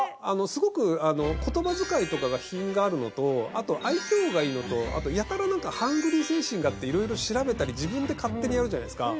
すごく言葉遣いとかが品があるのとあと愛嬌がいいのとあとやたらなんかハングリー精神があって色々調べたり自分で勝手にやるじゃないですか。